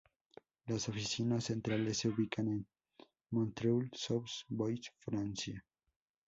Las oficinas centrales se ubican en Montreuil-Sous-Bois, Francia.